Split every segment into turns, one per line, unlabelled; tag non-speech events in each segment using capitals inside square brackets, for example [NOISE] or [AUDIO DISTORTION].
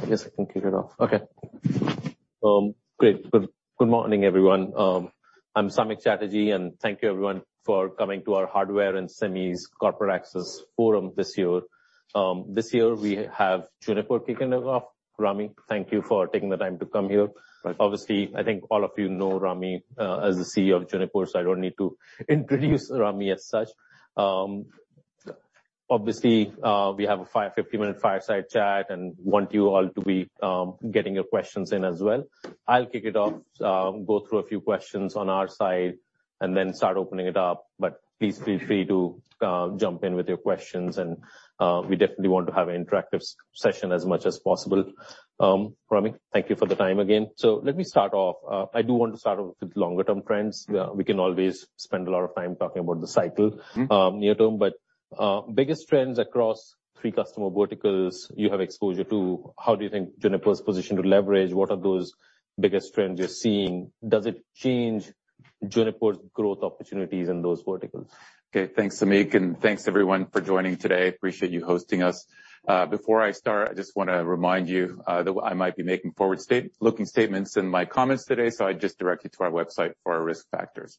I guess I can kick it off. Okay. Great. Good, good morning, everyone. I'm Samik Chatterjee, and thank you everyone for coming to our Hardware and Semis Corporate Access Forum this year. This year we have Juniper kicking it off. Rami, thank you for taking the time to come here.
Right.
Obviously, I think all of you know Rami, as the CEO of Juniper, so I don't need to introduce Rami as such. Obviously, we have a 50-minute fireside chat and want you all to be getting your questions in as well. I'll kick it off, go through a few questions on our side and then start opening it up, but please feel free to jump in with your questions, and we definitely want to have an interactive session as much as possible. Rami, thank you for the time again. Let me start off. I do want to start off with longer term trends. We can always spend a lot of time talking about the cycle-
Mm-hmm.
Near term, biggest trends across 3 customer verticals you have exposure to, how do you think Juniper is positioned to leverage? What are those biggest trends you're seeing? Does it change Juniper's growth opportunities in those verticals?
Okay, thanks, Samik, thanks, everyone, for joining today. Appreciate you hosting us. Before I start, I just want to remind you that I might be making forward-looking statements in my comments today. I just direct you to our website for our risk factors.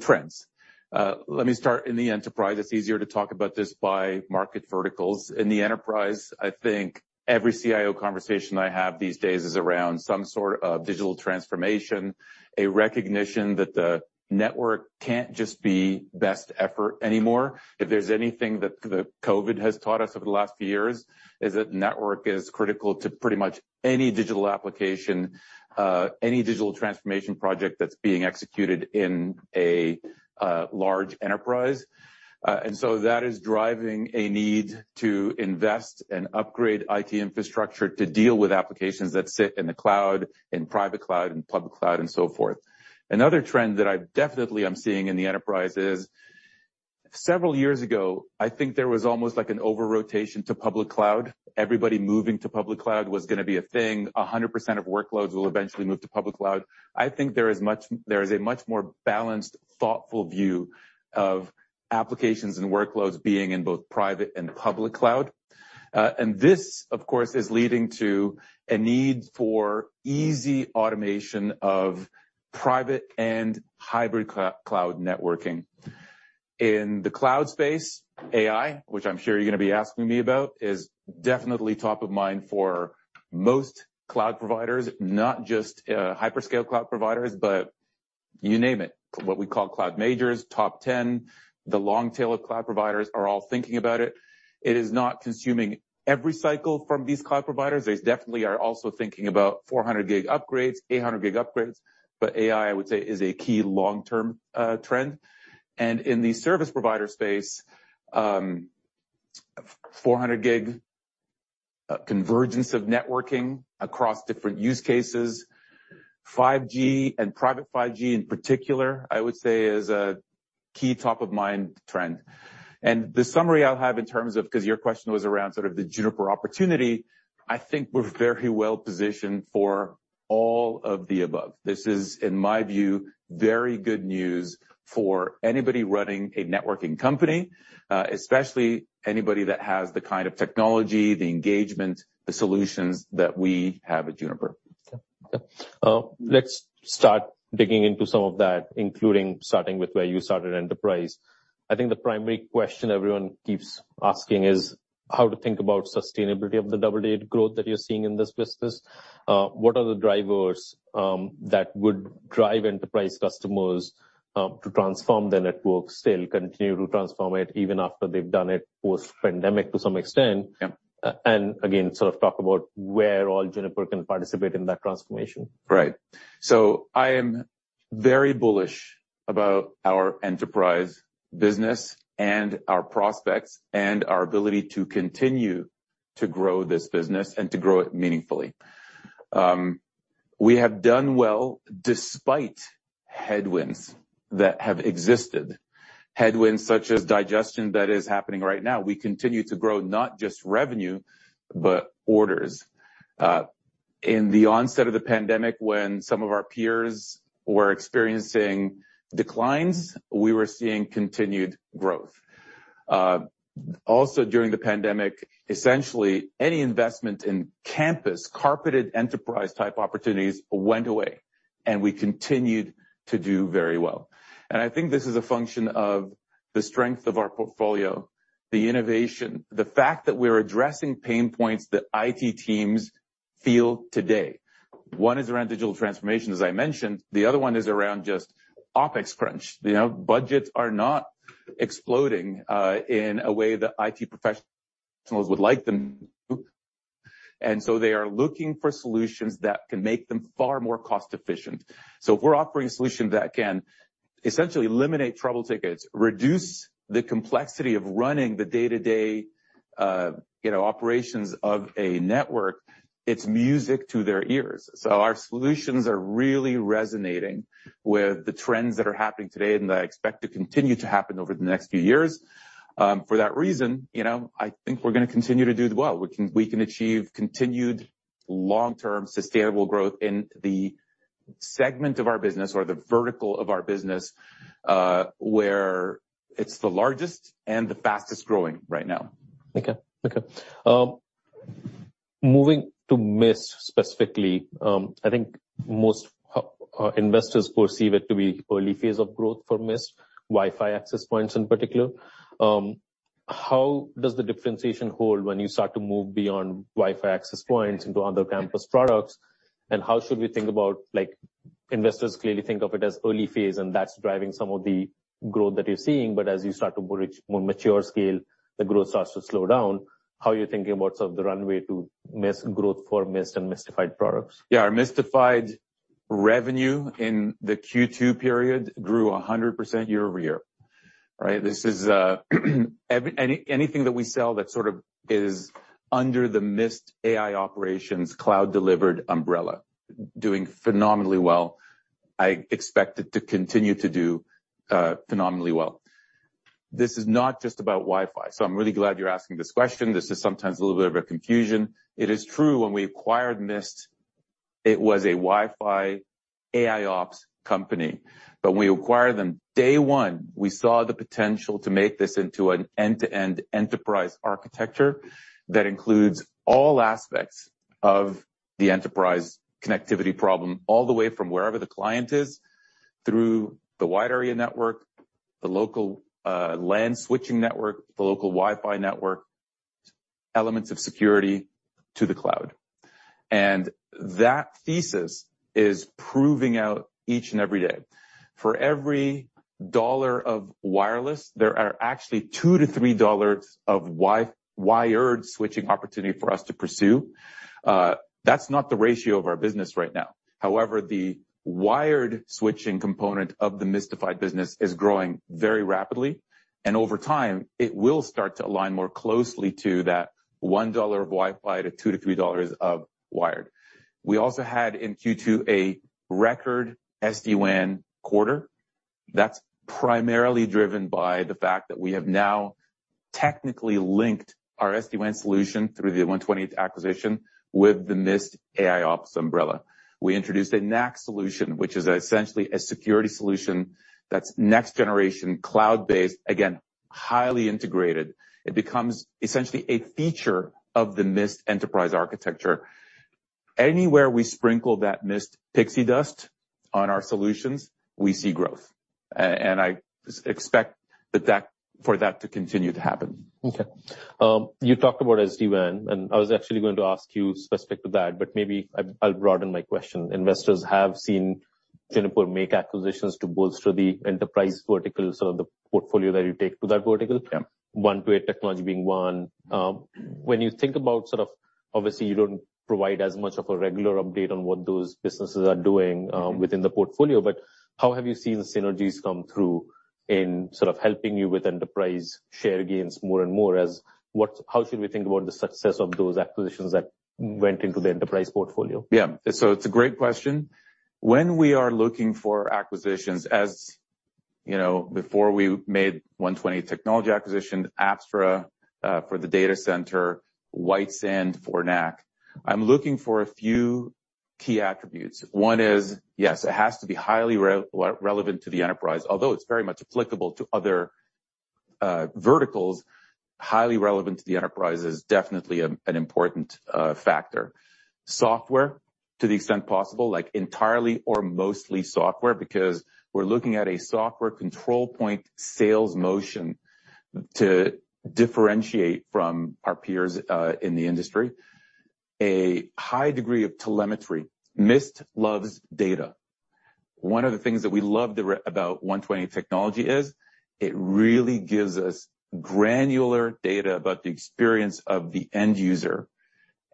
Trends. Let me start in the enterprise. It's easier to talk about this by market verticals. In the enterprise, I think every CIO conversation I have these days is around some sort of digital transformation, a recognition that the network can't just be best effort anymore. If there's anything that the COVID has taught us over the last few years, is that network is critical to pretty much any digital application, any digital transformation project that's being executed in a large enterprise. That is driving a need to invest and upgrade IT infrastructure to deal with applications that sit in the cloud, in private cloud, in public cloud, and so forth. Another trend that I definitely am seeing in the enterprise is, several years ago, I think there was almost like an over-rotation to public cloud. Everybody moving to public cloud was going to be a thing. 100% of workloads will eventually move to public cloud. I think there is much. There is a much more balanced, thoughtful view of applications and workloads being in both private and public cloud. This, of course, is leading to a need for easy automation of private and hybrid cloud networking. In the cloud space, AI, which I'm sure you're going to be asking me about, is definitely top of mind for most cloud providers, not just, hyperscale cloud providers, but you name it, what we call Cloud Majors, top 10. The long tail of cloud providers are all thinking about it. It is not consuming every cycle from these cloud providers. They definitely are also thinking about 400G upgrades, 800G upgrades, but AI, I would say, is a key long-term trend. In the service provider space, 400G convergence of networking across different use cases, 5G and private 5G in particular, I would say, is a key top-of-mind trend. The summary I'll have in terms of, because your question was around sort of the Juniper opportunity, I think we're very well positioned for all of the above. This is, in my view, very good news for anybody running a networking company, especially anybody that has the kind of technology, the engagement, the solutions that we have at Juniper.
Okay. Okay. Let's start digging into some of that, including starting with where you started, enterprise. I think the primary question everyone keeps asking is how to think about sustainability of the double-digit growth that you're seeing in this business. What are the drivers that would drive enterprise customers to transform their networks, still continue to transform it even after they've done it post-pandemic, to some extent?
Yeah.
Again, sort of talk about where all Juniper can participate in that transformation.
I am very bullish about our enterprise business and our prospects, and our ability to continue to grow this business and to grow it meaningfully. We have done well despite headwinds that have existed, headwinds such as digestion that is happening right now. We continue to grow not just revenue, but orders. In the onset of the pandemic, when some of our peers were experiencing declines, we were seeing continued growth. Also during the pandemic, essentially, any investment in campus, carpeted enterprise-type opportunities went away, and we continued to do very well. I think this is a function of the strength of our portfolio, the innovation, the fact that we're addressing pain points that IT teams feel today. One is around digital transformation, as I mentioned. The other one is around just OpEx crunch. You know, budgets are not exploding in a way that IT professionals would like them to. They are looking for solutions that can make them far more cost efficient. If we're offering a solution that can essentially eliminate trouble tickets, reduce the complexity of running the day-to-day, you know, operations of a network, it's music to their ears. Our solutions are really resonating with the trends that are happening today, and I expect to continue to happen over the next few years. For that reason, you know, I think we're going to continue to do well. We can, we can achieve continued long-term, sustainable growth in the segment of our business or the vertical of our business, where it's the largest and the fastest growing right now.
Okay. Okay. Moving to Mist specifically, I think most investors perceive it to be early phase of growth for Mist, Wi-Fi access points in particular. How does the differentiation hold when you start to move beyond Wi-Fi access points into other campus products? How should we think about like, investors clearly think of it as early phase, and that's driving some of the growth that you're seeing, but as you start to reach more mature scale, the growth starts to slow down. How are you thinking about sort of the runway to Mist growth for Mist and Mistified products?
Yeah. Our Mistified revenue in the Q2 period grew 100% year over year, right? This is, any, anything that we sell that sort of is under the Mist AI operations cloud-delivered umbrella, doing phenomenally well. I expect it to continue to do phenomenally well. This is not just about Wi-Fi, so I'm really glad you're asking this question. This is sometimes a little bit of a confusion. It is true, when we acquired Mist, it was a Wi-Fi AIOps company. When we acquired them, day one, we saw the potential to make this into an end-to-end enterprise architecture that includes all aspects of the enterprise connectivity problem, all the way from wherever the client is through the wide area network, the local, LAN switching network, the local Wi-Fi network, elements of security to the cloud. That thesis is proving out each and every day. For every $1 of wireless, there are actually $2-$3 of wired switching opportunity for us to pursue. That's not the ratio of our business right now. However, the wired switching component of the Mistified business is growing very rapidly, and over time, it will start to align more closely to that $1 of Wi-Fi to $2-$3 of wired. We also had in Q2, a record SD-WAN quarter. That's primarily driven by the fact that we have now technically linked our SD-WAN solution through the 128 acquisition with the Mist AIOps umbrella. We introduced a NAC solution, which is essentially a security solution that's next generation, cloud-based, again, highly integrated. It becomes essentially a feature of the Mist enterprise architecture. Anywhere we sprinkle that Mist pixie dust on our solutions, we see growth. I expect that for that to continue to happen.
You talked about SD-WAN, and I was actually going to ask you specific to that, but maybe I, I'll broaden my question. Investors have seen Juniper make acquisitions to bolster the enterprise vertical, so the portfolio that you take to that vertical.
Yeah.
One way, technology being one. When you think about sort of... Obviously, you don't provide as much of a regular update on what those businesses are doing within the portfolio, but how have you seen the synergies come through in sort of helping you with enterprise share gains more and more as how should we think about the success of those acquisitions that went into the enterprise portfolio?
Yeah. It's a great question. When we are looking for acquisitions, as you know, before we made 128 Technology acquisition, Apstra, for the data center, WiteSand for NAC, I'm looking for a few key attributes. One is, yes, it has to be highly relevant to the enterprise, although it's very much applicable to other verticals, highly relevant to the enterprise is definitely an important factor. Software, to the extent possible, like entirely or mostly software, because we're looking at a software control point sales motion to differentiate from our peers in the industry. A high degree of telemetry. Mist loves data. One of the things that we love about 128 Technology is, it really gives us granular data about the experience of the end user,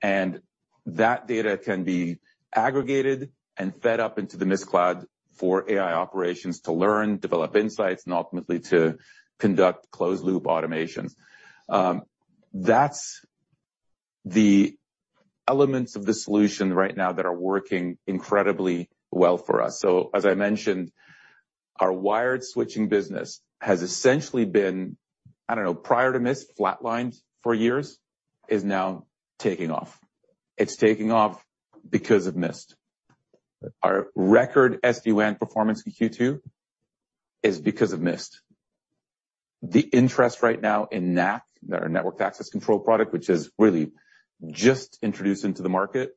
and that data can be aggregated and fed up into the Mist cloud for AI operations to learn, develop insights, and ultimately to conduct closed-loop automations. That's the elements of the solution right now that are working incredibly well for us. As I mentioned, our wired switching business has essentially been, I don't know, prior to Mist, flatlined for years, is now taking off. It's taking off because of Mist. Our record SD-WAN performance in Q2 is because of Mist. The interest right now in NAC, our Network Access Control product, which is really just introduced into the market,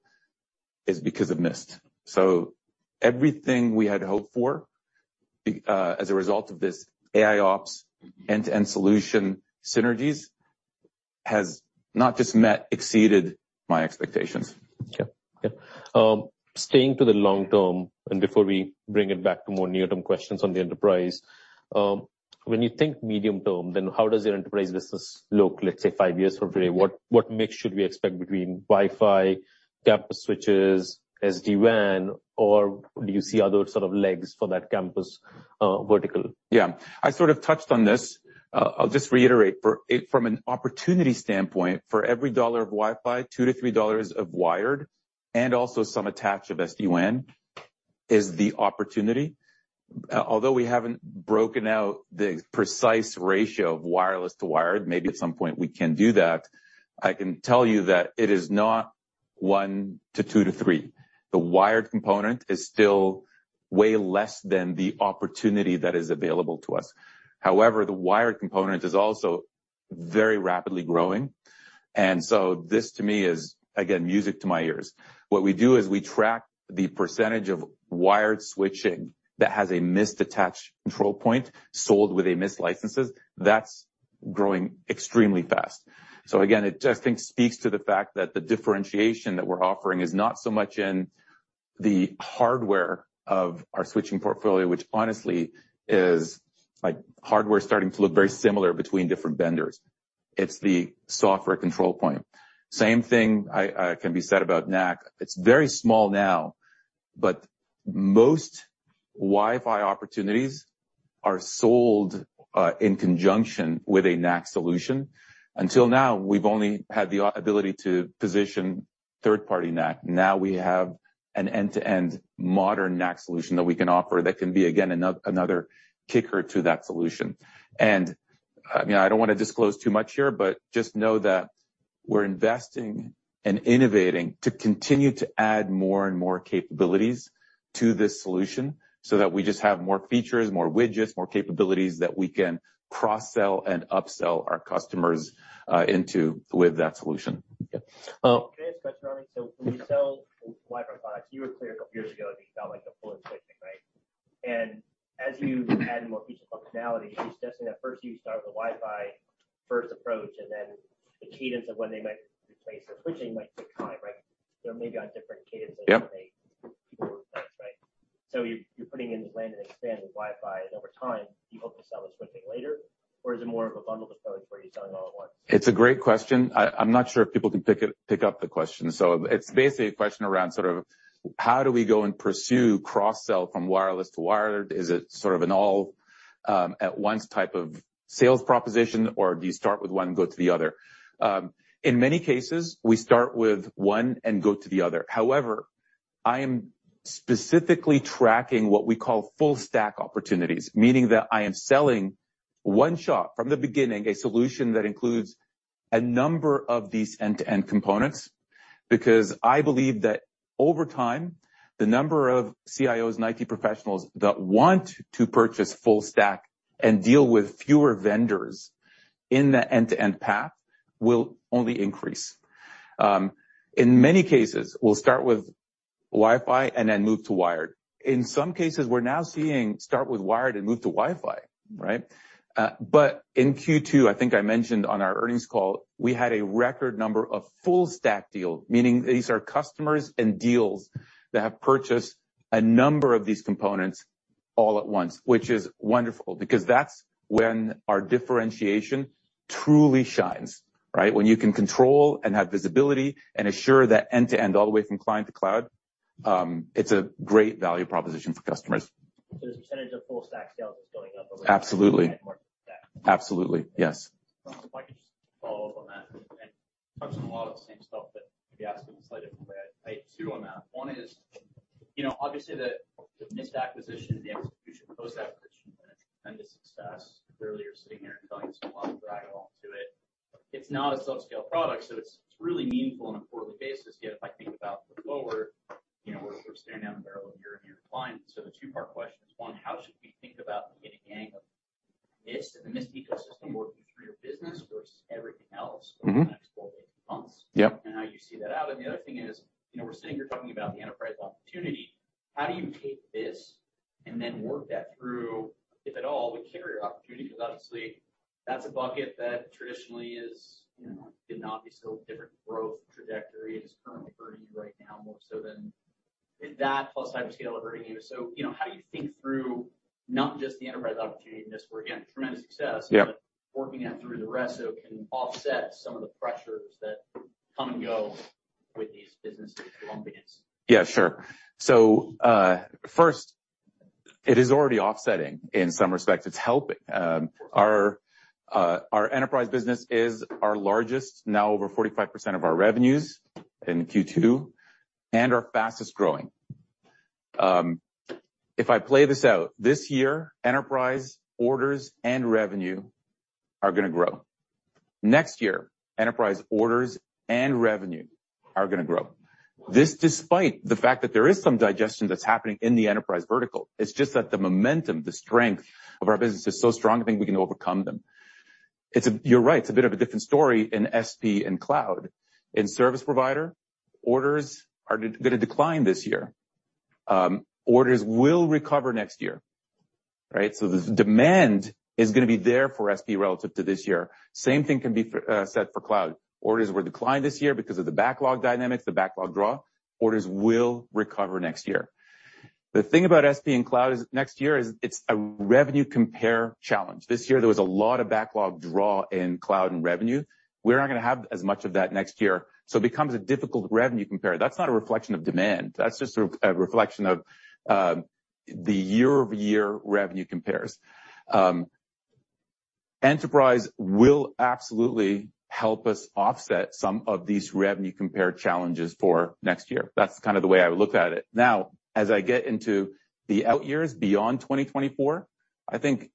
is because of Mist. everything we had hoped for, as a result of this AIOps end-to-end solution synergies, has not just met, exceeded my expectations.
Okay. Yeah. Staying to the long term, before we bring it back to more near-term questions on the enterprise, when you think medium term, how does your enterprise business look, let's say, five years from today? What, what mix should we expect between Wi-Fi, campus switches, SD-WAN, or do you see other sort of legs for that campus, vertical?
Yeah, I sort of touched on this. I'll just reiterate. From an opportunity standpoint, for every $1 of Wi-Fi, $2-$3 of wired and also some attach of SD-WAN is the opportunity. Although we haven't broken out the precise ratio of wireless to wired, maybe at some point we can do that, I can tell you that it is not one to two to three. The wired component is still way less than the opportunity that is available to us. However, the wired component is also very rapidly growing, and so this to me is, again, music to my ears. What we do is we track the percentage of wired switching that has a Mist attach control point sold with a Mist licenses. That's growing extremely fast. Again, it just, I think, speaks to the fact that the differentiation that we're offering is not so much in the hardware of our switching portfolio, which honestly is like hardware starting to look very similar between different vendors. It's the software control point. Same thing I, can be said about NAC. It's very small now, but most Wi-Fi opportunities are sold, in conjunction with a NAC solution. Until now, we've only had the ability to position third-party NAC. Now we have an end-to-end modern NAC solution that we can offer that can be, again, another kicker to that solution. I mean, I don't wanna disclose too much here, but just know that we're investing and innovating to continue to add more and more capabilities to this solution, so that we just have more features, more widgets, more capabilities that we can cross-sell and upsell our customers into with that solution. Yeah.
Can I ask a question, Rami? When you sell Wi-Fi products, you were clear two years ago that you felt like a full switching, right? As you add more feature functionality, you're suggesting that first you start with a Wi-Fi first approach, and then the cadence of when they might replace the switching might take time, right?
Yep.
People with that, right? You're putting in this land and expand with Wi-Fi, and over time, you hope to sell the switching later, or is it more of a bundle of approach where you're selling all at once?
It's a great question. I'm not sure if people can pick up the question. It's basically a question around sort of how do we go and pursue cross-sell from wireless to wired? Is it sort of an all at once type of sales proposition, or do you start with one and go to the other? In many cases, we start with one and go to the other. However, I am specifically tracking what we call full stack opportunities, meaning that I am selling one shop from the beginning, a solution that includes a number of these end-to-end components, because I believe that over time, the number of CIOs and IT professionals that want to purchase full stack and deal with fewer vendors in that end-to-end path will only increase. In many cases, we'll start with Wi-Fi and then move to wired. In some cases, we're now seeing start with wired and move to Wi-Fi, right? In Q2, I think I mentioned on our earnings call, we had a record number of full stack deals, meaning these are customers and deals that have purchased a number of these components all at once, which is wonderful because that's when our differentiation truly shines, right? When you can control and have visibility and assure that end-to-end all the way from client to cloud, it's a great value proposition for customers.
[AUDIO DISTORTION]
Absolutely.
[AUDIO DISTORTION]
Absolutely, yes.
[AUDIO DISTORTION] I have two on that. One is, you know, obviously, the, the Mist acquisition, the execution of the post-acquisition, been a tremendous success. Clearly, you're sitting here and telling us a lot of drag along to it. It's not a subscale product, so it's, it's really meaningful on a quarterly basis. Yet, if I think about the forward, you know, we're, we're staring down the barrel of year-over-year decline. So the two-part question is, one, how should we think about the getting the angle of Mist and the Mist ecosystem working through your business versus everything else-
Mm-hmm.
[AUDIO DISTORTION]
Yep.
How you see that out? The other thing is, you know, we're sitting here talking about the enterprise opportunity. How do you take this and then work that through, if at all, the carrier opportunity? Because obviously, that's a bucket that traditionally is, you know, did not be so different growth trajectory and is currently hurting you right now, more so than. That plus hyperscaler hurting you. You know, how do you think through not just the enterprise opportunity in this where, again, tremendous success-
Yep.
Working that through the rest, so it can offset some of the pressures that come and go with these businesses volumes?
Yeah, sure. First, it is already offsetting in some respects. It's helping. Our enterprise business is our largest, now over 45% of our revenues in Q2, and our fastest growing. If I play this out, this year, enterprise orders and revenue are gonna grow. Next year, enterprise orders and revenue are gonna grow. This despite the fact that there is some digestion that's happening in the enterprise vertical, it's just that the momentum, the strength of our business is so strong, I think we can overcome them. It's a. You're right, it's a bit of a different story in SP and cloud. In service provider, orders are gonna decline this year. Orders will recover next year, right? The demand is gonna be there for SP relative to this year. Same thing can be said for cloud. Orders were declined this year because of the backlog dynamics, the backlog draw. Orders will recover next year. The thing about SP and cloud is next year is it's a revenue compare challenge. This year, there was a lot of backlog draw in cloud and revenue. We're not gonna have as much of that next year, so it becomes a difficult revenue compare. That's not a reflection of demand, that's just a reflection of the year-over-year revenue compares. Enterprise will absolutely help us offset some of these revenue compare challenges for next year. That's kind of the way I would look at it. Now, as I get into the out years beyond 2024, I think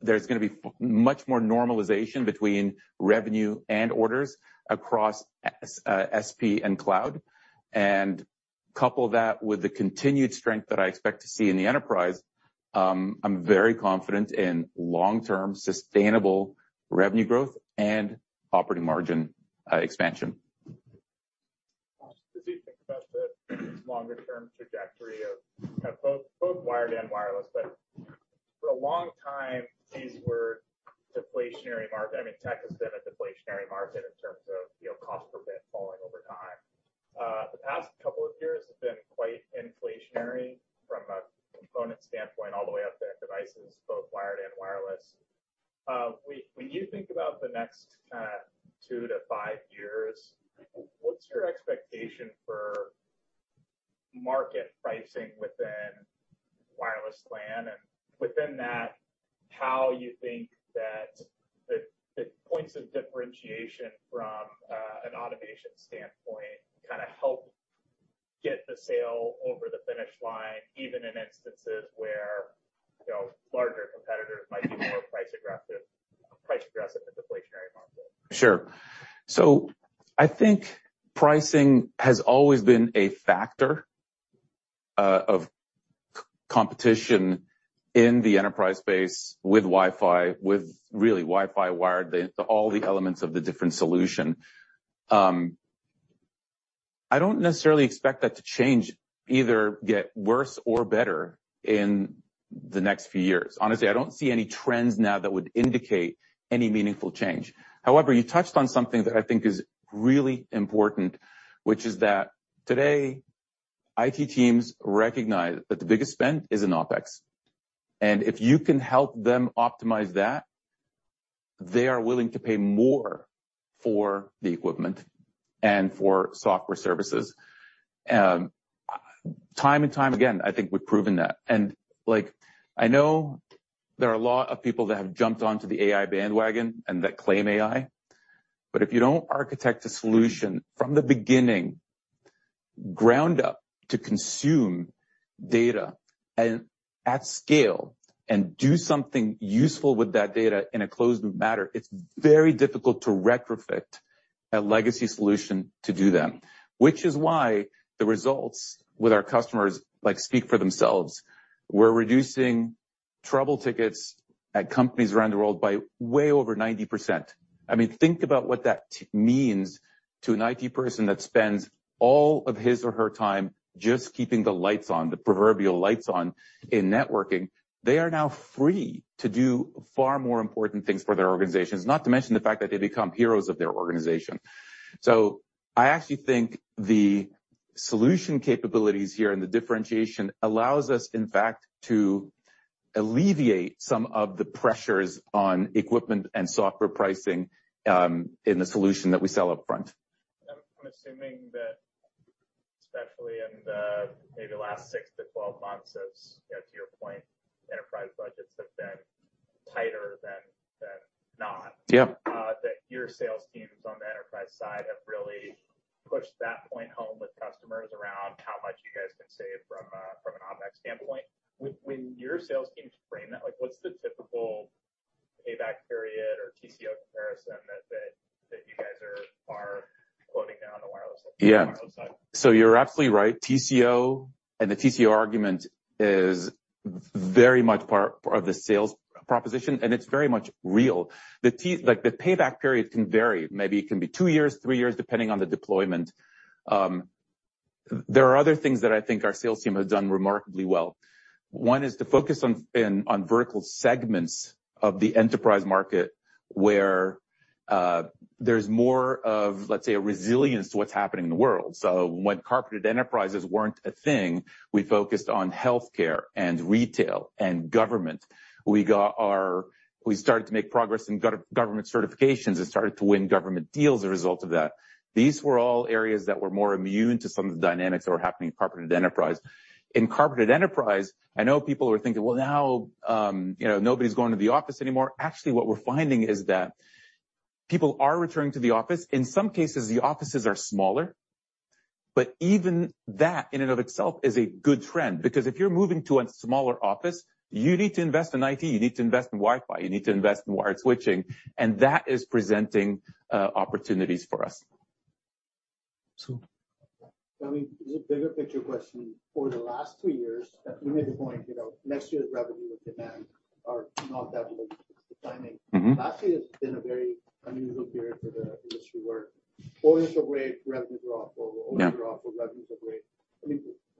there's going to be much more normalization between revenue and orders across SP and cloud. Couple that with the continued strength that I expect to see in the enterprise, I'm very confident in long-term, sustainable revenue growth and operating margin expansion.
As you think about the longer term trajectory of both, both wired and wireless, but for a long time, these were deflationary market. I mean, tech has been a deflationary market in terms of, you know, cost per bit falling over time. The past couple of years have been quite inflationary from a component standpoint, all the way up to devices, both wired and wireless. When, when you think about the next two-five years, what's your expectation for market pricing within wireless LAN? Within that, how you think that the points of differentiation from an automation standpoint kind of help get the sale over the finish line, even in instances where, you know, larger competitors might be more price aggressive, [AUDIO DISTORTION]
Sure. I think pricing has always been a factor of competition in the enterprise space with Wi-Fi, with really Wi-Fi wired, all the elements of the different solution. I don't necessarily expect that to change, either get worse or better in the next few years. Honestly, I don't see any trends now that would indicate any meaningful change. However, you touched on something that I think is really important, which is that today, IT teams recognize that the biggest spend is in OpEx, and if you can help them optimize that, they are willing to pay more for the equipment and for software services. Time and time again, I think we've proven that. Like, I know there are a lot of people that have jumped onto the AI bandwagon and that claim AI, but if you don't architect a solution from the beginning, ground up, to consume data and at scale and do something useful with that data in a closed loop matter, it's very difficult to retrofit a legacy solution to do that. Which is why the results with our customers, like, speak for themselves. We're reducing trouble tickets at companies around the world by way over 90%. I mean, think about what that means to an IT person that spends all of his or her time just keeping the lights on, the proverbial lights on in networking. They are now free to do far more important things for their organizations, not to mention the fact that they become heroes of their organization. I actually think the solution capabilities here and the differentiation allows us, in fact, to alleviate some of the pressures on equipment and software pricing in the solution that we sell up front.
I'm assuming that especially in the maybe last six-12 months, as to your point, enterprise budgets have been tighter than, than not.
Yeah.
[AUDIO DISTORTION] on the enterprise side have really pushed that point home with customers around how much you guys can save from an OpEx standpoint. When your sales teams frame that, like, what's the typical payback period or TCO comparison that you guys are quoting now on the wireless-?
Yeah.
[AUDIO DISTORTION]
You're absolutely right. TCO, and the TCO argument is very much part, part of the sales proposition, and it's very much real. Like, the payback period can vary. Maybe it can be two years, three years, depending on the deployment. There are other things that I think our sales team has done remarkably well. One is to focus on, in, on vertical segments of the enterprise market, where there's more of, let's say, a resilience to what's happening in the world. When carpeted enterprises weren't a thing, we focused on healthcare and retail and government. We started to make progress in government certifications and started to win government deals as a result of that. These were all areas that were more immune to some of the dynamics that were happening in carpeted enterprise. In carpeted enterprise, I know people are thinking, "Well, now, you know, nobody's going to the office anymore." Actually, what we're finding is that people are returning to the office. In some cases, the offices are smaller, but even that in and of itself is a good trend, because if you're moving to a smaller office, you need to invest in IT, you need to invest in Wi-Fi, you need to invest in wired switching, and that is presenting opportunities for us.
So- I mean, this is a bigger picture question. For the last three years, you made the point, you know, next year's revenue and demand are not that. [AUDIO DISTORTION]
Mm-hmm.
Last year has been a very unusual period for the industry, where orders are great, revenues are awful.
Yeah.
Orders are awful, revenues are great. I mean,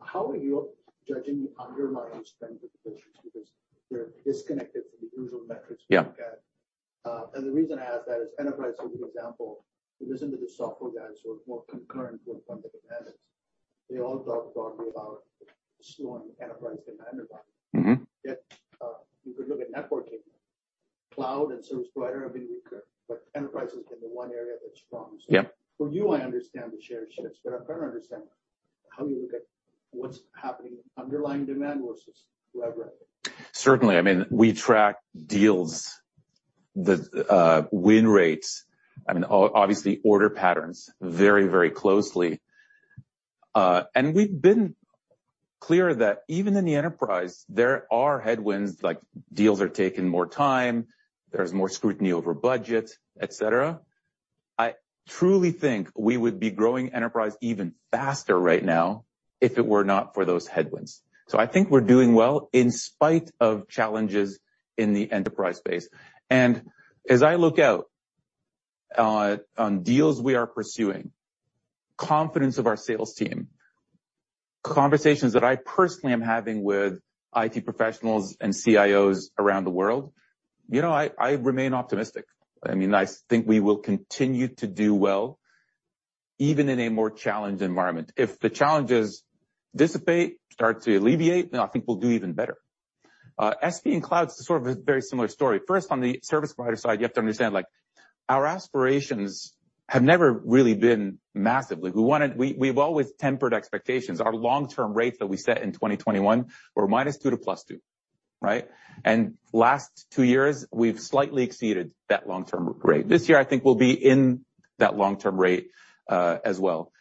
how are you judging the underlying spend positions? Because they're disconnected from the usual metrics.
Yeah.
we look at. The reason I ask that is enterprise, for example, listen to the software guys who are more concurrent with funding demands. They all talk broadly about slowing enterprise down in everybody.
Mm-hmm.
Yet, you could look at networking, cloud, and service provider, I mean, weaker, but enterprise has been the one area that's strong.
Yeah.
For you, I understand the share shifts, but I don't understand how do you look at what's happening, underlying demand versus whatever?
Certainly, I mean, we track deals, the win rates, I mean, obviously, order patterns very, very closely. We've been clear that even in the enterprise, there are headwinds, like deals are taking more time, there's more scrutiny over budget, et cetera. I truly think we would be growing enterprise even faster right now if it were not for those headwinds. I think we're doing well in spite of challenges in the enterprise space. As I look out on deals we are pursuing, confidence of our sales team, conversations that I personally am having with IT professionals and CIOs around the world, you know, I, I remain optimistic. I mean, I think we will continue to do well, even in a more challenged environment. If the challenges dissipate, start to alleviate, then I think we'll do even better. SP and cloud is sort of a very similar story. First, on the service provider side, you have to understand, like, our aspirations have never really been massively. We, we've always tempered expectations. Our long-term rates that we set in 2021 were -2% to +2%, right? Last two years, we've slightly exceeded that long-term rate. This year, I think we'll be in that long-term rate as well.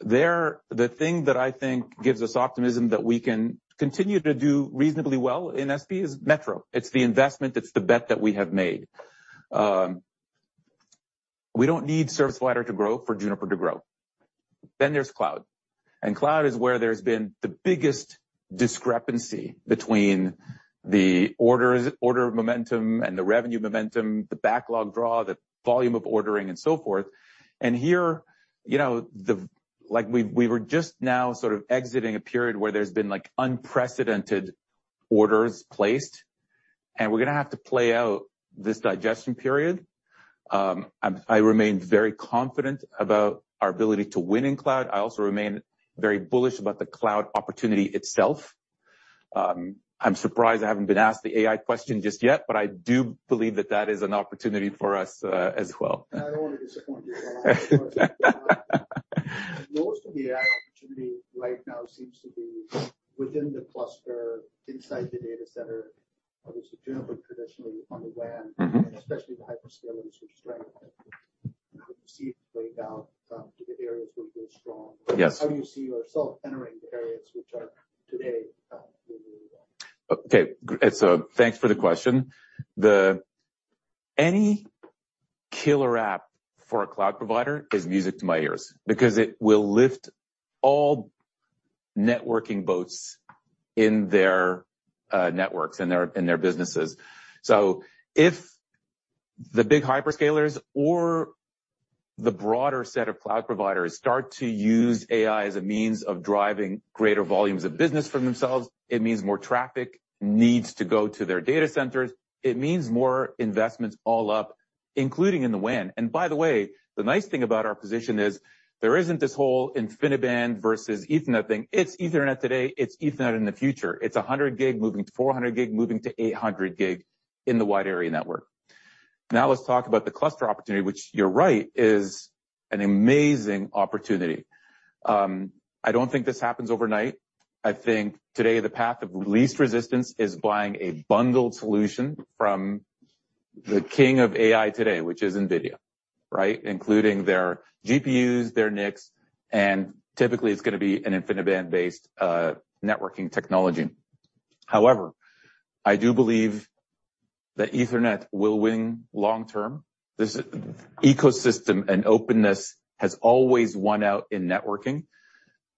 There, the thing that I think gives us optimism that we can continue to do reasonably well in SP is Metro. It's the investment, it's the bet that we have made. We don't need service provider to grow for Juniper to grow. There's cloud, and cloud is where there's been the biggest discrepancy between the orders, order momentum and the revenue momentum, the backlog draw, the volume of ordering, and so forth. Here, you know, the... like, we've, we were just now sort of exiting a period where there's been, like, unprecedented orders placed, and we're going to have to play out this digestion period. I'm-- I remain very confident about our ability to win in cloud. I also remain very bullish about the cloud opportunity itself. I'm surprised I haven't been asked the AI question just yet, but I do believe that that is an opportunity for us, as well.
[AUDIO DISTORTION] Most of the AI opportunity right now seems to be within the cluster, inside the data center, obviously, Juniper traditionally on the WAN,
Mm-hmm.
Especially the hyperscalers, which strength you see it playing out, to the areas where you're strong.
Yes.
How do you see yourself entering the areas which are today, really well?
Thanks for the question. Any killer app for a cloud provider is music to my ears, because it will lift all networking boats in their networks, in their, in their businesses. If the big hyperscalers or the broader set of cloud providers start to use AI as a means of driving greater volumes of business from themselves, it means more traffic needs to go to their data centers. It means more investments all up, including in the WAN. By the way, the nice thing about our position is, there isn't this whole InfiniBand versus Ethernet thing. It's Ethernet today, it's Ethernet in the future. It's 100G moving to 400G, moving to 800G in the wide area network. Let's talk about the cluster opportunity, which you're right, is an amazing opportunity. I don't think this happens overnight. I think today the path of least resistance is buying a bundled solution from the king of AI today, which is NVIDIA, right? Including their GPUs, their NICs, and typically it's gonna be an InfiniBand-based networking technology. However, I do believe that Ethernet will win long term. This ecosystem and openness has always won out in networking.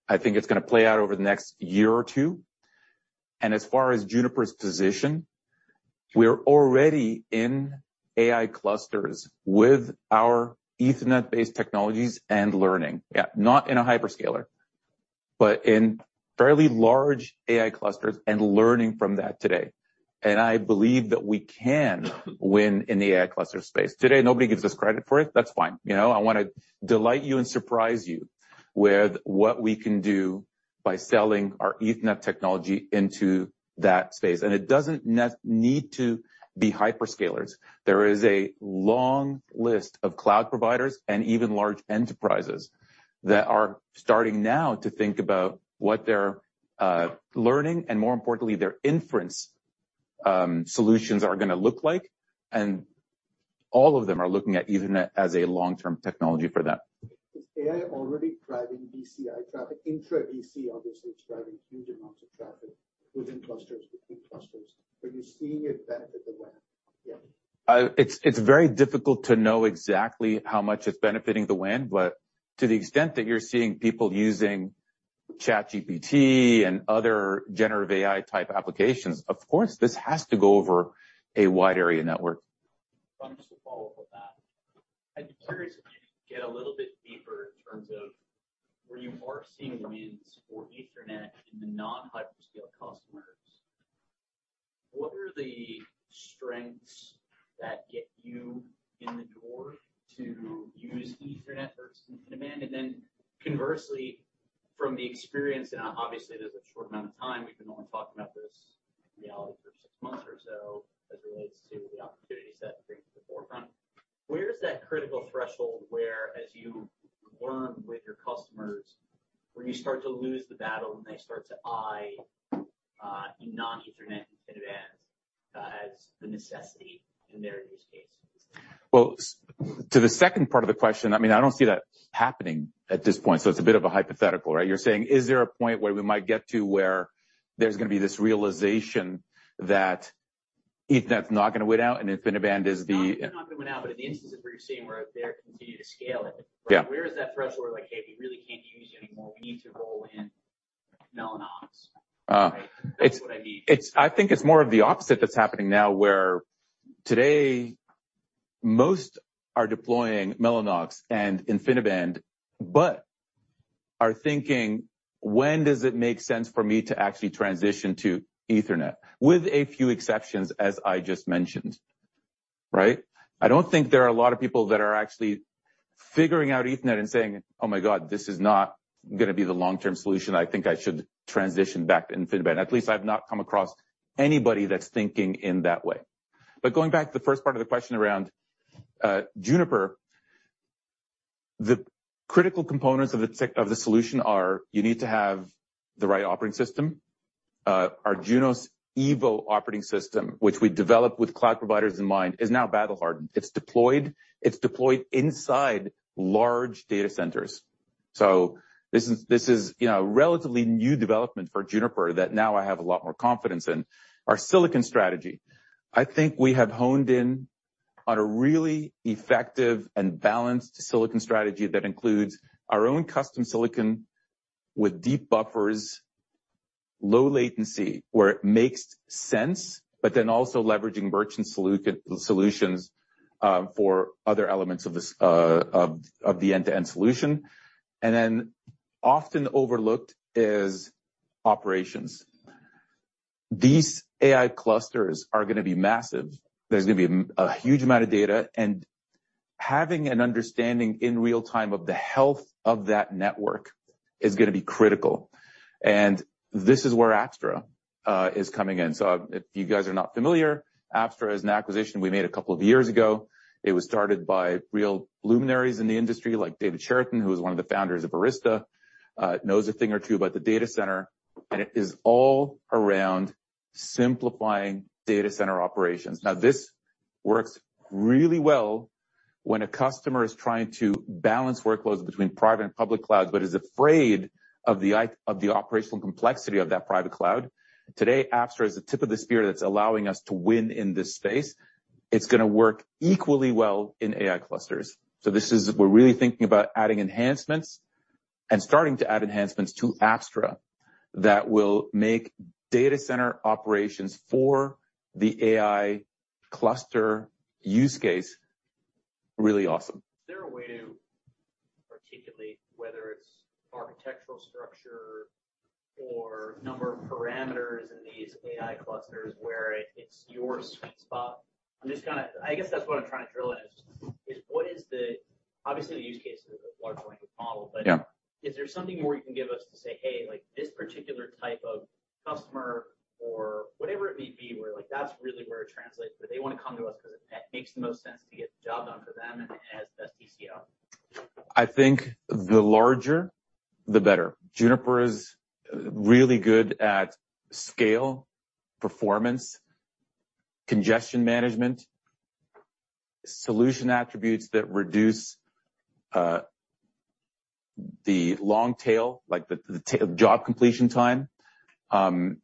I think it's gonna play out over the next year or two. As far as Juniper's position, we're already in AI clusters with our Ethernet-based technologies and learning. Yeah, not in a hyperscaler, but in fairly large AI clusters and learning from that today. I believe that we can win in the AI cluster space. Today, nobody gives us credit for it. That's fine. You know, I wanna delight you and surprise you with what we can do by selling our Ethernet technology into that space. It doesn't need to be hyperscalers. There is a long list of cloud providers and even large enterprises that are starting now to think about what their learning, and more importantly, their inference solutions are gonna look like. All of them are looking at Ethernet as a long-term technology for that.
Is AI already driving DCI traffic? Intra DC, obviously, it's driving huge amounts of traffic within clusters, between clusters. Are you seeing it benefit the WAN yet?
It's, it's very difficult to know exactly how much it's benefiting the WAN, but to the extent that you're seeing people using ChatGPT and other generative AI-type applications, of course, this has to go over a wide area network.
I'll just follow up on that. I'd be curious if you could get a little bit deeper in terms of where you are seeing wins for Ethernet in the non-hyperscale customers. What are the strengths that get you in the door to use Ethernet versus InfiniBand? Then, conversely, from the experience, and obviously, there's a short amount of time, we've been only talking about this in reality for six months or so, as it relates to the opportunity set and bringing to the forefront. Where's that critical threshold where as you learn with your customers, where you start to lose the battle and they start to eye non-Ethernet InfiniBand as the necessity in their use case?
to the second part of the question, I mean, I don't see that happening at this point, so it's a bit of a hypothetical, right? You're saying, is there a point where we might get to where there's gonna be this realization that Ethernet's not gonna win out, and InfiniBand is the-
Not gonna win out, but in the instances where you're seeing where they're continuing to scale it.
Yeah.
Where is that threshold where like, "Hey, we really can't use you anymore, we need to roll in Mellanox?
Uh-
That's what I mean.
I think it's more of the opposite that's happening now, where today most are deploying Mellanox and InfiniBand, but are thinking, when does it make sense for me to actually transition to Ethernet? With a few exceptions, as I just mentioned. Right? I don't think there are a lot of people that are actually figuring out Ethernet and saying, "Oh, my God, this is not gonna be the long-term solution. I think I should transition back to InfiniBand." At least I've not come across anybody that's thinking in that way. Going back to the first part of the question around Juniper, the critical components of the solution are, you need to have the right operating system. Our Junos EVO operating system, which we developed with cloud providers in mind, is now battle-hardened. It's deployed. It's deployed inside large data centers. This is, this is, you know, a relatively new development for Juniper that now I have a lot more confidence in. Our silicon strategy. I think we have honed in on a really effective and balanced silicon strategy that includes our own custom silicon with deep buffers, low latency, where it makes sense, but then also leveraging merchant solutions for other elements of the end-to-end solution. Often overlooked is operations. These AI clusters are gonna be massive. There's gonna be a, a huge amount of data, and having an understanding in real time of the health of that network is gonna be critical. This is where Apstra is coming in. If you guys are not familiar, Apstra is an acquisition we made a couple of years ago. It was started by real luminaries in the industry, like David Cheriton, who was one of the founders of Arista, knows a thing or two about the data center, and it is all around simplifying data center operations. Now, this works really well when a customer is trying to balance workloads between private and public cloud, but is afraid of the operational complexity of that private cloud. Today, Apstra is the tip of the spear that's allowing us to win in this space. It's gonna work equally well in AI clusters. We're really thinking about adding enhancements and starting to add enhancements to Apstra that will make data center operations for the AI cluster use case really awesome.
Is there a way to articulate whether it's architectural structure or number of parameters in these AI clusters where it, it's your sweet spot? I'm just kinda I guess that's what I'm trying to drill in, is what is the... Obviously, the use case is a large language model.
Yeah.
Is there something more you can give us to say, "Hey, like, this particular type of customer," or whatever it may be, where, like, that's really where it translates, where they want to come to us because it, it makes the most sense to get the job done for them as best TCO?
I think the larger, the better. Juniper is really good at scale, performance, congestion management. Solution attributes that reduce the long tail, like, job completion time,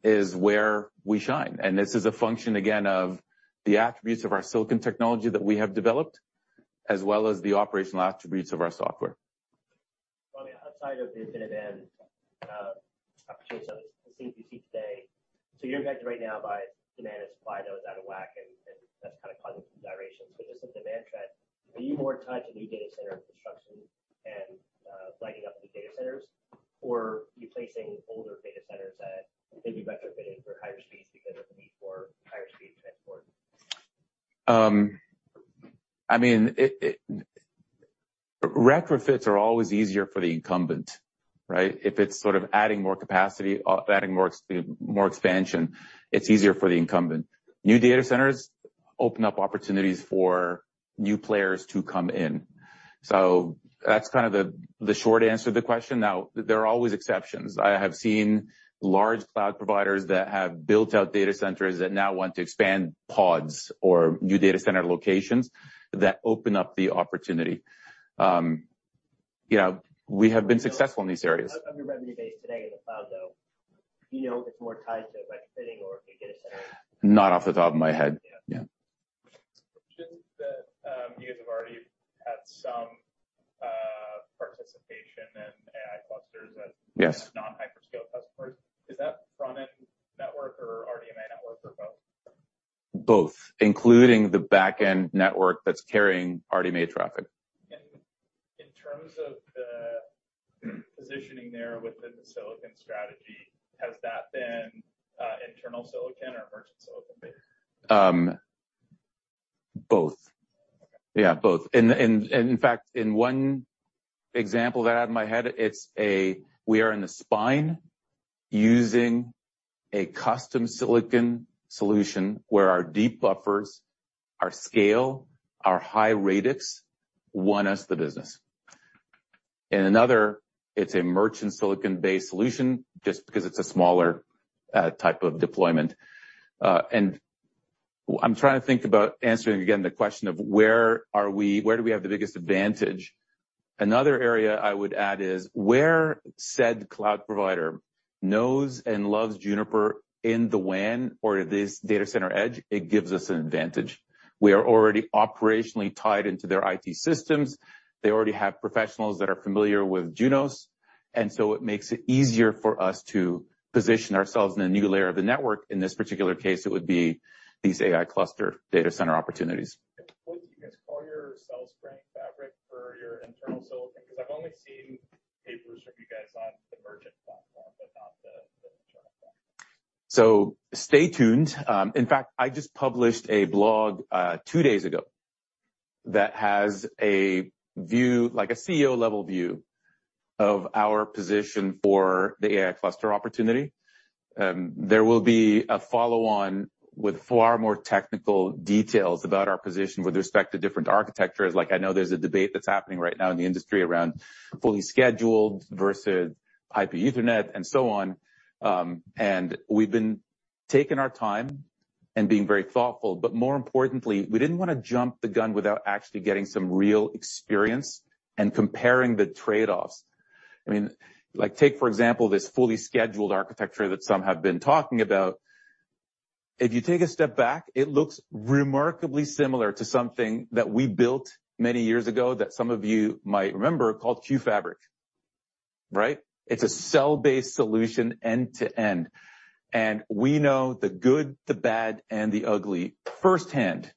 is where we shine. This is a function, again, of the attributes of our silicon technology that we have developed, as well as the operational attributes of our software.
On the outside of the InfiniBand opportunities that we see today, you're impacted right now by demand and supply that was out of whack, and that's kind of causing some gyrations. Just the demand trend, are you more tied to new data center construction and lighting up new data centers or replacing older data centers that may be retrofitted for higher speeds because of the need for higher speed transport?
I mean, it. Retrofits are always easier for the incumbent, right? If it's sort of adding more capacity, adding more expansion, it's easier for the incumbent. New data centers open up opportunities for new players to come in. That's kind of the, the short answer to the question. Now, there are always exceptions. I have seen large cloud providers that have built out data centers that now want to expand pods or new data center locations that open up the opportunity. You know, we have been successful in these areas.
[AUDIO DISTORTION]
Not off the top of my head.
Yeah.
Yeah.
Just that, you guys have already had some participation in AI clusters that-
Yes.
non-hyperscale customers. Is that front-end network or RDMA network or both?
Both, including the back-end network that's carrying RDMA traffic.
In terms of the positioning there within the silicon strategy, has that been, internal silicon or merchant silicon-based?
Both.
Okay.
Yeah, both. In fact, in one example that I have in my head, it's a we are in the spine using a custom silicon solution where our deep buffers, our scale, our high radix won us the business. In another, it's a merchant silicon-based solution, just because it's a smaller, type of deployment. I'm trying to think about answering again the question of where do we have the biggest advantage? Another area I would add is where said cloud provider knows and loves Juniper in the WAN or this data center edge, it gives us an advantage. We are already operationally tied into their IT systems. They already have professionals that are familiar with Junos, and so it makes it easier for us to position ourselves in a new layer of the network. In this particular case, it would be these AI cluster data center opportunities.
What do you guys call your cell spraying fabric for your internal silicon? I've only seen papers from you. [AUDIO DISTORTION]
Stay tuned. In fact, I just published a blog two days ago that has a view, like a CEO-level view of our position for the AI cluster opportunity. There will be a follow-on with far more technical details about our position with respect to different architectures. Like, I know there's a debate that's happening right now in the industry around fully scheduled versus Hyper Ethernet and so on. We've been taking our time and being very thoughtful, but more importantly, we didn't want to jump the gun without actually getting some real experience and comparing the trade-offs. I mean, like, take, for example, this fully scheduled architecture that some have been talking about. If you take a step back, it looks remarkably similar to something that we built many years ago that some of you might remember, called QFabric, right? It's a cell-based solution, end-to-end, and we know the good, the bad, and the ugly firsthand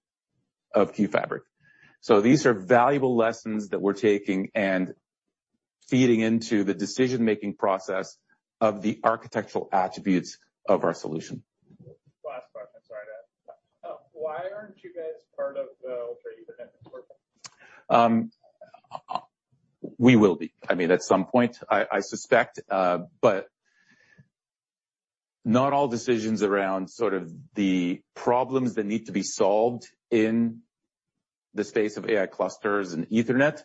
of QFabric. These are valuable lessons that we're taking and feeding into the decision-making process of the architectural attributes of our solution.
[AUDIO DISTORTION] you guys part of the Ultra Ethernet Consortium?
We will be. I mean, at some point, I, I suspect, not all decisions around sort of the problems that need to be solved in the space of AI clusters and Ethernet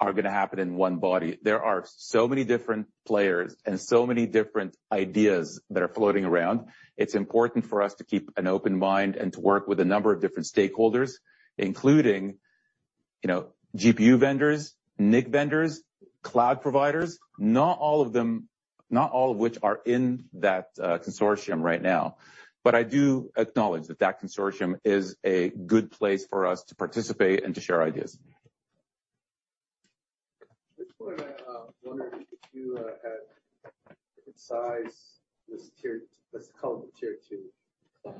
are gonna happen in one body. There are so many different players and so many different ideas that are floating around. It's important for us to keep an open mind and to work with a number of different stakeholders, including, you know, GPU vendors, NIC vendors, cloud providers, not all of them-- not all of which are in that consortium right now. I do acknowledge that that consortium is a good place for us to participate and to share ideas.
[AUDIO DISTORTION] size this tier. Let's call it the Tier 2. A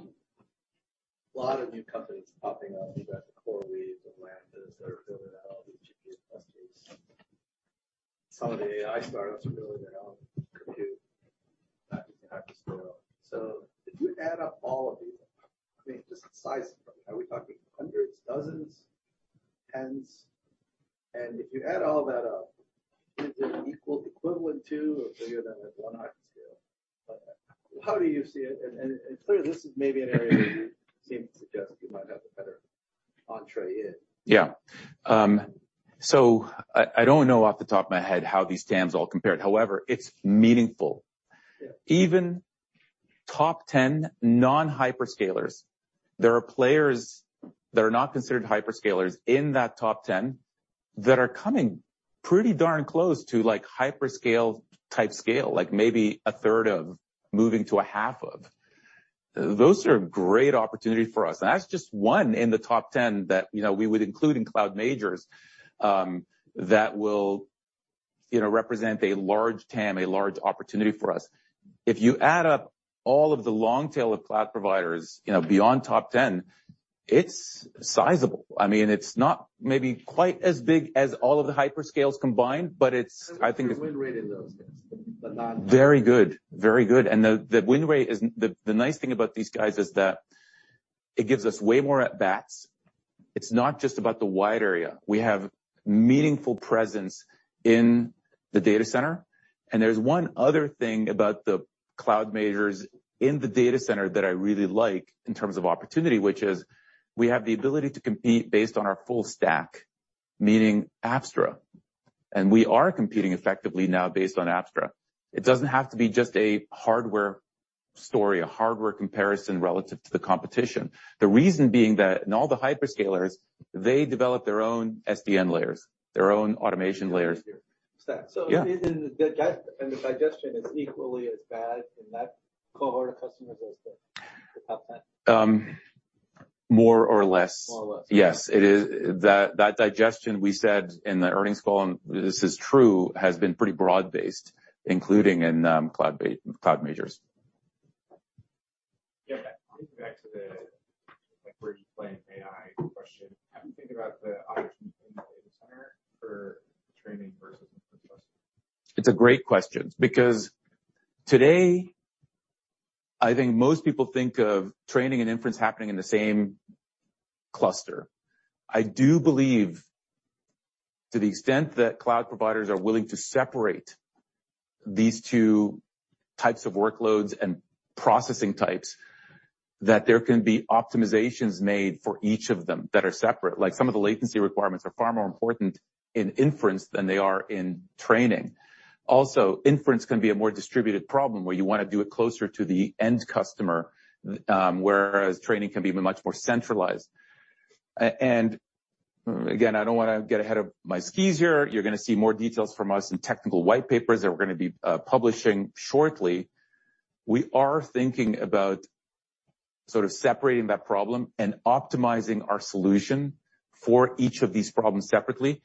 lot of new companies popping up. You've got the CoreWeave and Lambda that are building out all these GPU clusters. Some of the AI startups are building their own compute, not just hyperscale. If you add up all of these, I mean, just the size of them, are we talking hundreds, dozens, tens? If you add all that up, does it equal equivalent to or bigger than a one eye scale? How do you see it? Clearly, this is maybe an area where you seem to suggest you might have a better entree in.
Yeah. I, I don't know off the top of my head how these TAMs all compared. However, it's meaningful.
Yeah.
Even top 10 non-hyperscalers, there are players that are not considered hyperscalers in that top 10, that are coming pretty darn close to, like, hyperscale type scale, like maybe a third of moving to a half of. Those are great opportunities for us, and that's just one in the top 10 that, you know, we would include in Cloud Majors, that will, you know, represent a large TAM, a large opportunity for us. If you add up all of the long tail of cloud providers, you know, beyond top 10, it's sizable. I mean, it's not maybe quite as big as all of the hyperscales combined, but it's I think.
There's a win rate in those guys, but not-
Very good. Very good. The win rate is... The nice thing about these guys is that it gives us way more at-bats. It's not just about the wide area. We have meaningful presence in the data center. There's one other thing about the Cloud Majors in the data center that I really like in terms of opportunity, which is we have the ability to compete based on our full stack, meaning Apstra, and we are competing effectively now based on Apstra. It doesn't have to be just a hardware story, a hardware comparison relative to the competition. The reason being that in all the hyperscalers, they develop their own SDN layers, their own automation layers.
So-
Yeah.
The digestion is equally as bad in that cohort of customers as the top 10?
More or less.
More or less.
Yes, it is. That, that digestion we said in the earnings call, and this is true, has been pretty broad-based, including in, Cloud Majors.
[AUDIO DISTORTION] play an AI question, how do you think about the opportunity [AUDIO DISTORTION] training versus infrastructure?
It's a great question. I think most people think of training and inference happening in the same cluster. I do believe to the extent that cloud providers are willing to separate these two types of workloads and processing types, that there can be optimizations made for each of them that are separate. Like some of the latency requirements are far more important in inference than they are in training. Also, inference can be a more distributed problem where you want to do it closer to the end customer, whereas training can be much more centralized. Again, I don't want to get ahead of my skis here. You're gonna see more details from us in technical white papers that we're gonna be publishing shortly. We are thinking about sort of separating that problem and optimizing our solution for each of these problems separately.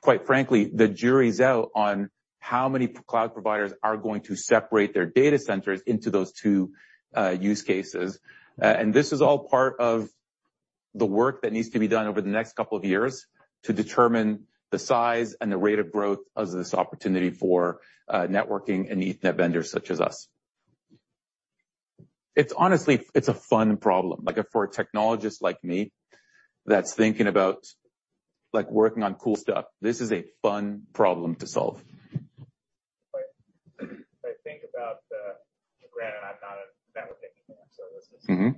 Quite frankly, the jury's out on how many cloud providers are going to separate their data centers into those two use cases. This is all part of the work that needs to be done over the next couple of years to determine the size and the rate of growth of this opportunity for networking and Ethernet vendors such as us. It's honestly, it's a fun problem. Like, for a technologist like me, that's thinking about, like, working on cool stuff, this is a fun problem to solve.
[AUDIO DISTORTION]
Mm-hmm.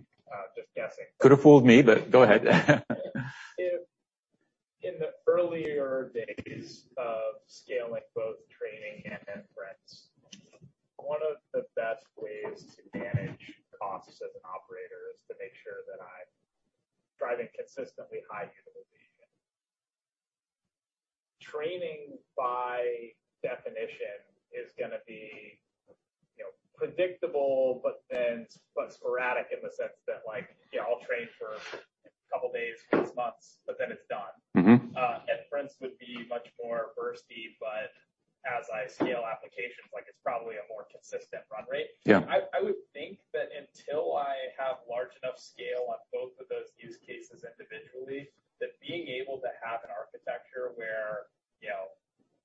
[AUDIO DISTORTION]
Could have fooled me, but go ahead.
[AUDIO DISTORTION] days of scaling both training and inference, one of the best ways to manage costs as an operator is to make sure that I'm driving consistently high utilization. Training, by definition, is going to be, you know, predictable, but then but sporadic in the sense that, like, yeah, I'll train for a couple of days, weeks, months, but then it's done.
Mm-hmm.
Inference would be much more bursty, but as I scale applications, like, it's probably a more consistent run rate.
Yeah.
I, I would think that until I have large enough scale on both of those use cases individually, that being able to have an architecture where, you know,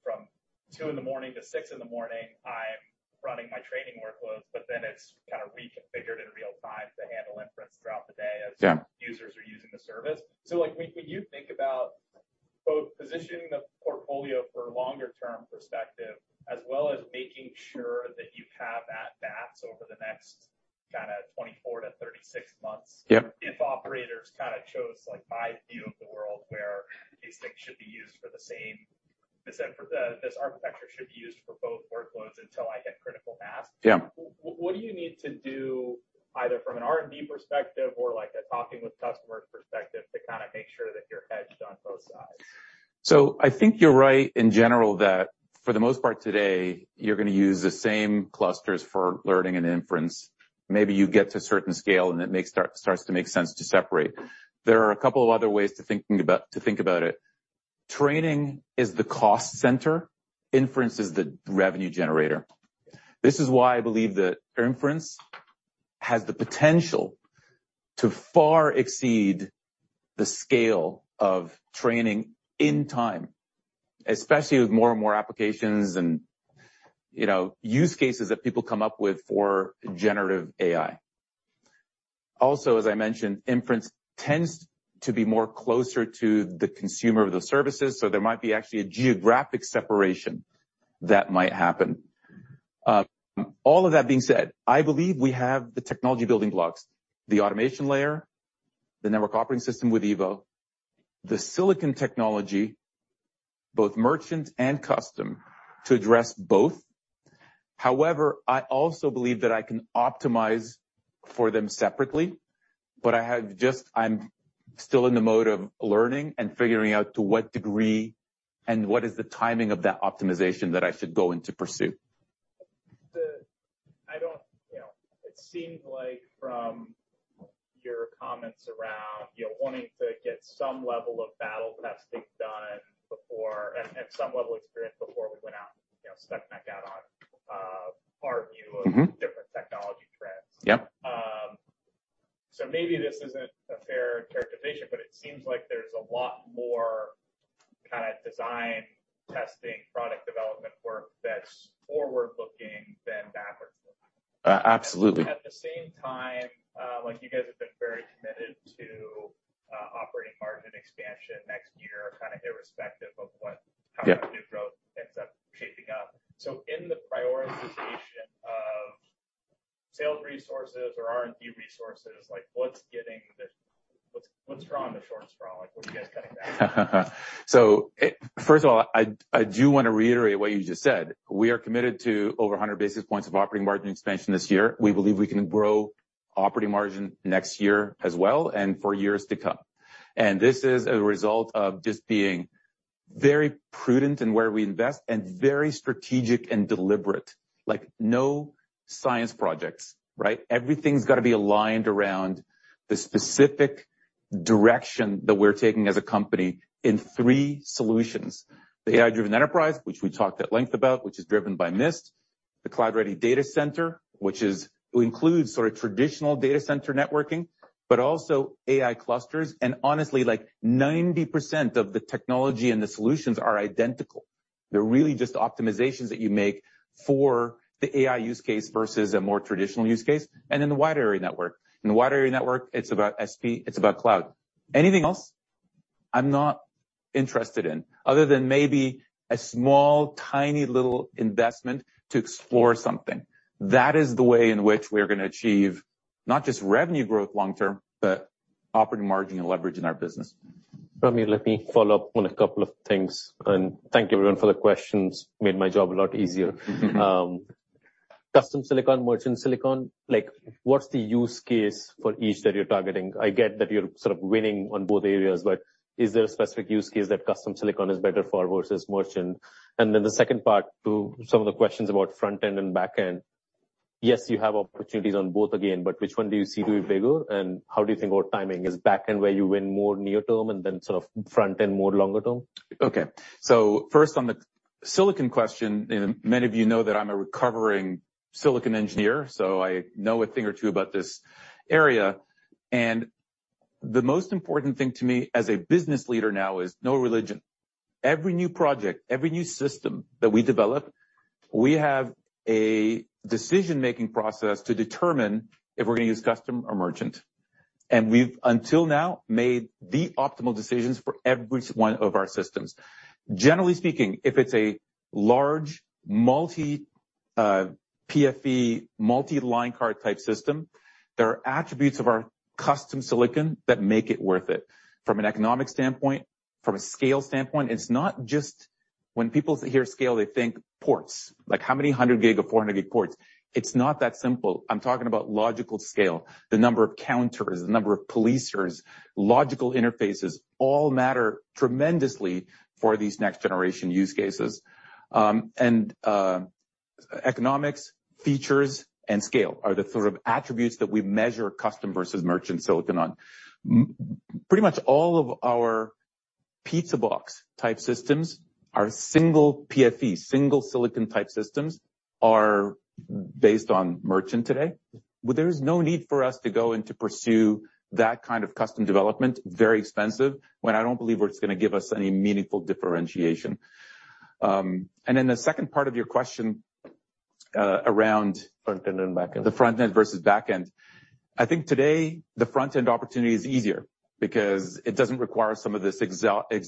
from two in the morning to six in the morning, I'm running my training workloads, but then it's kind of reconfigured in real time to handle inference throughout the day.
Yeah...
as users are using the service. Like, when, when you think about both positioning the portfolio for longer term perspective, as well as making sure that you have at bats over the next kinda 24-36 months.
Yeah
if operators kinda chose, like, my view of the world, where these things should be used for the same. This architecture should be used for both workloads until I hit critical mass.
Yeah.
What do you need to do, either from an R&D perspective or like a talking with customers perspective, to kinda make sure that you're hedged on both sides?
I think you're right in general, that for the most part today, you're gonna use the same clusters for learning and inference. Maybe you get to a certain scale and it starts to make sense to separate. There are a couple of other ways to think about it. Training is the cost center, inference is the revenue generator. This is why I believe that inference has the potential to far exceed the scale of training in time, especially with more and more applications and, you know, use cases that people come up with for generative AI. Also, as I mentioned, inference tends to be more closer to the consumer of the services, so there might be actually a geographic separation that might happen. All of that being said, I believe we have the technology building blocks, the automation layer, the network operating system with EVO, the silicon technology, both merchant and custom, to address both. However, I also believe that I can optimize for them separately, but I have just, I'm still in the mode of learning and figuring out to what degree and what is the timing of that optimization that I should go in to pursue.
I don't... You know, it seems like from your comments around, you know, wanting to get some level of battle testing done before and, and some level of experience [AUDIO DISTORTION]
Mm-hmm
different technology trends.
Yeah.
Maybe this isn't a fair characterization, but it seems like there's a lot more kinda design, testing, product development work that's forward-looking than. [AUDIO DISTORTION]
Absolutely.
[AUDIO DISTORTION]
Yeah
[AUDIO DISTORTION] sales resources or R&D resources, like what's getting the... What's drawing the short straw? Like, what are you guys cutting back?
First of all, I do want to reiterate what you just said. We are committed to over 100 basis points of operating margin expansion this year. We believe we can grow operating margin next year as well, and for years to come. This is a result of just being very prudent in where we invest and very strategic and deliberate. Like, no science projects, right? Everything's got to be aligned around the specific direction that we're taking as a company in three solutions: the AI-Driven Enterprise, which we talked at length about, which is driven by Mist; the Cloud-Ready Data Center, which includes sort of traditional data center networking, but also AI clusters. Honestly, like 90% of the technology and the solutions are identical. They're really just optimizations that you make for the AI use case versus a more traditional use case, and then the wide area network. In the wide area network, it's about SP, it's about cloud. Anything else, I'm not interested in, other than maybe a small, tiny little investment to explore something. That is the way in which we are gonna achieve not just revenue growth long term, but operating margin and leverage in our business.
Rami, let me follow up on a couple of things. Thank you everyone for the questions, made my job a lot easier. Custom silicon, merchant silicon, like, what's the use case for each that you're targeting? I get that you're sort of winning on both areas, is there a specific use case that custom silicon is better for versus merchant? Then the second part to some of the questions about front-end and back-end. Yes, you have opportunities on both again, which one do you see to be bigger, and how do you think about timing? Is back-end where you win more near term and then sort of front-end more longer term?
Okay. First on the silicon question, and many of you know that I'm a recovering silicon engineer, so I know a thing or two about this area. The most important thing to me as a business leader now is no religion. Every new project, every new system that we develop, we have a decision-making process to determine if we're gonna use custom or merchant. We've, until now, made the optimal decisions for every one of our systems. Generally speaking, if it's a large multi-PFE, multi-line card type system, there are attributes of our custom silicon that make it worth it. From an economic standpoint, from a scale standpoint, it's not just when people hear scale, they think ports, like how many 100G or 400G ports? It's not that simple. I'm talking about logical scale, the number of counters, the number of policers, logical interfaces, all matter tremendously for these next generation use cases. Economics, features, and scale are the sort of attributes that we measure custom versus merchant silicon on. Pretty much all of our pizza box type systems are single PFE. Single silicon type systems are based on merchant today, where there is no need for us to go and to pursue that kind of custom development, very expensive, when I don't believe it's gonna give us any meaningful differentiation. Then the second part of your question, around-
Front-end and back-end.
The front-end versus back-end. I think today the front-end opportunity is easier because it doesn't require some of this exotic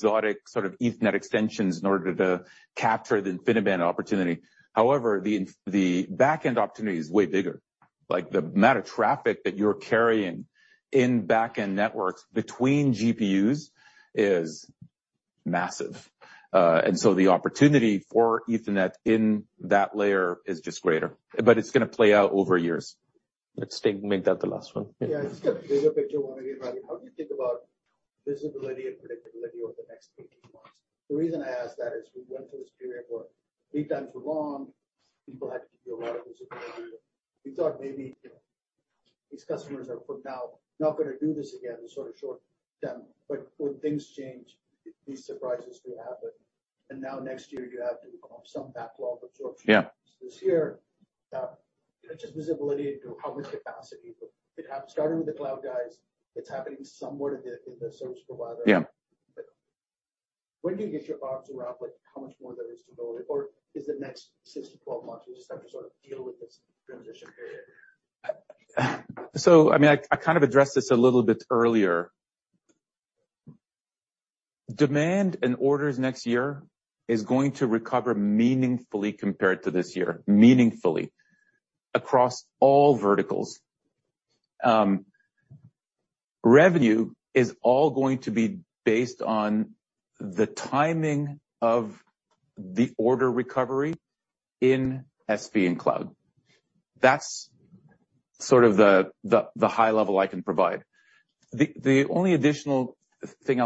sort of Ethernet extensions in order to capture the InfiniBand opportunity. However, the back-end opportunity is way bigger. Like, the amount of traffic that you're carrying in back-end networks between GPUs is massive. The opportunity for Ethernet in that layer is just greater, but it's gonna play out over years.
Let's make that the last one.
Yeah, just a bigger picture one again, Rami. How do you think about visibility and predictability over the next 18 months? The reason I ask that is, we went through this period where lead times were long, people had to be a lot of visibility. We thought maybe these customers are for now not gonna do this again and sort of short term, but when things change, these surprises will happen. Now next year, you have to have some backlog absorption-
Yeah
This year. Just visibility into how much capacity it have, starting with the Cloud Majors, it's happening somewhat in the, in the service provider.
Yeah.
When do you get your arms around, like, how much more there is to go? Or is the next six-12 months, we just have to sort of deal with this transition period?
I mean, I, I kind of addressed this a little bit earlier. Demand and orders next year is going to recover meaningfully compared to this year, meaningfully, across all verticals. Revenue is all going to be based on the timing of the order recovery in SP and cloud. That's sort of the, the, the high level I can provide. The, the only additional thing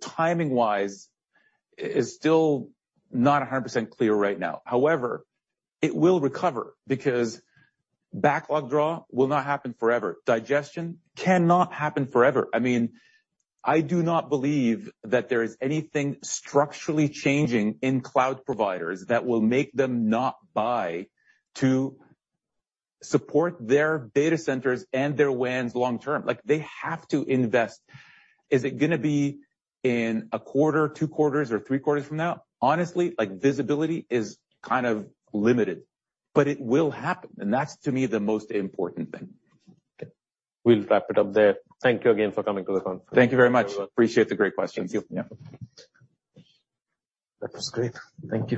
timing-wise, is still not 100% clear right now. However, it will recover because backlog draw will not happen forever. Digestion cannot happen forever. I mean, I do not believe that there is anything structurally changing in cloud providers that will make them not buy to support their data centers and their WANs long term. Like, they have to invest. Is it gonna be in a quarter, two quarters, or three quarters from now? Honestly, like, visibility is kind of limited, but it will happen, and that's, to me, the most important thing.
We'll wrap it up there. Thank you again for coming to the conference.
Thank you very much. Appreciate the great questions.
Thank you.
Yeah.
That was great. Thank you.